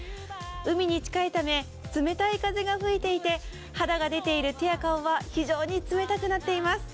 海に近いため冷たい風が吹いていて肌が出ている手や顔は非常に冷たくなっています。